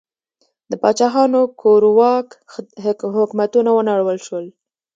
د پاچاهانو کورواک حکومتونه ونړول شول.